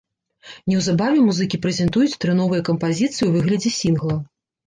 Неўзабаве музыкі прэзентуюць тры новыя кампазіцыі ў выглядзе сінгла.